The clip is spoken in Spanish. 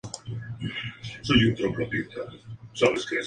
En ocasiones escribe sus propios textos.